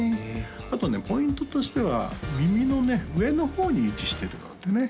あとねポイントとしては耳のね上の方に位置してるのでね